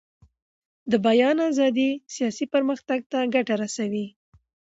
د بیان ازادي سیاسي پرمختګ ته ګټه رسوي